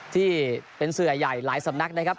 ที่เป็นเสือใหญ่หลายสำนักนะครับ